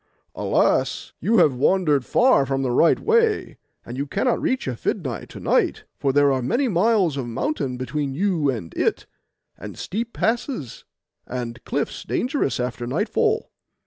'Alas! you have wandered far from the right way, and you cannot reach Aphidnai to night, for there are many miles of mountain between you and it, and steep passes, and cliffs dangerous after nightfall.